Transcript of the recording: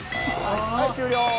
はい終了！